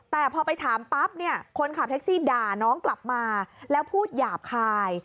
แต่พอไปถามปั๊บเนี่ยคนขับแท็กซี่ด่าน้องกลับมาแล้วพูดหยาบคาย